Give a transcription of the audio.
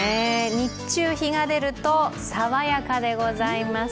日中、日が出ると爽やかでございます。